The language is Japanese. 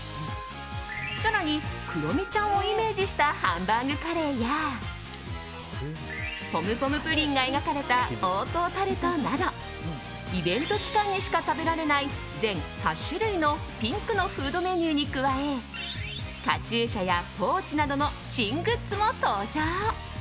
更に、クロミちゃんをイメージしたハンバーグカレーやポムポムプリンが描かれた黄桃タルトなどイベント期間にしか食べられない全８種類のピンクのフードメニューに加えカチューシャやポーチなどの新グッズも登場。